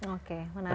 oke menarik ya